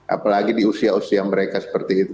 apalagi di usia usia mereka seperti itu